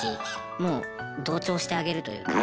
もう同調してあげるというか。